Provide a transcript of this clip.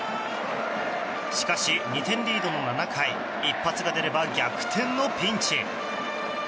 しかし、２点リードの７回一発が出れば逆転のピンチ。